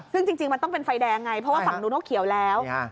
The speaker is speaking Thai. ซึ่งจริงมันต้องเป็นไฟแดงไงเพราะว่าฝั่งนู้นเขาเขียวแล้ว